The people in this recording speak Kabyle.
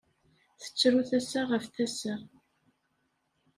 Tettru tasa ɣef tasa.